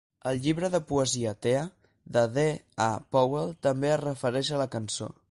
El llibre de poesia "TEA" de D. A. Powell també es refereix a la cançó.